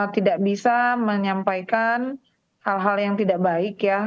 tidak bisa menyampaikan hal hal yang tidak baik ya